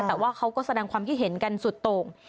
แต่ว่าเขาก็แสดงความคิดเห็นกันสุดโต่ง